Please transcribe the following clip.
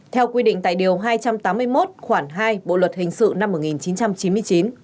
theo quy định tại điều hai trăm tám mươi một khoảng hai bộ luật hình sự năm một nghìn chín trăm chín mươi chín